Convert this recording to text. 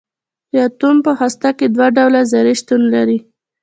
د اټوم په هسته کې دوه ډوله ذرې شتون لري.